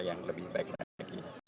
yang lebih baik lagi